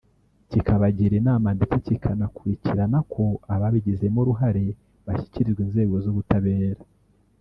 kikabagira inama ndetse kikanakurikirana ko ababigizemo uruhare bashyikizwa inzego z’ubutabera